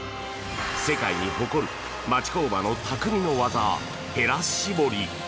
世界に誇る町工場のたくみの技へら絞り。